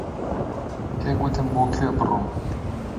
پێی گوتم بۆ کوێ بڕۆم.